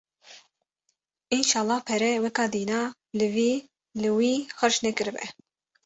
Înşallah pere weka dîna li vî li wî xerc nekiribe!’’